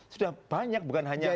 sudah banyak bukan hanya